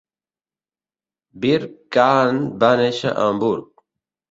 Vierkandt va néixer a Hamburg.